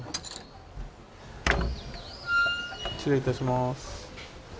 失礼いたします。